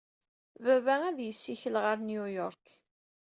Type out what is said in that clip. Baba ad yessikel ɣer New York.